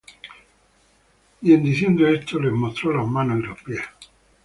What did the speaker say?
Y en diciendo esto, les mostró las manos y los pies.